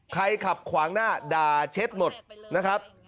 ขับขวางหน้าด่าเช็ดหมดนะครับ